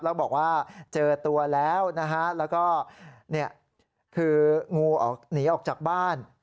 แล้วบอกว่าเจอตัวแล้วนะฮะแล้วก็คืองูหนีออกจากบ้าน